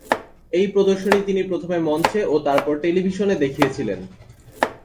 এই প্রদর্শনী তিনি প্রথমে মঞ্চে ও তারপর টেলিভিশনে দেখিয়েছিলেন।